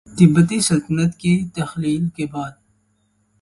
تبتی سلطنت کی تحلیل کے بعد